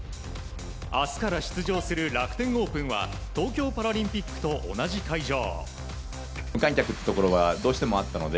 明日から出場する楽天オープンは東京パラリンピックと同じ会場。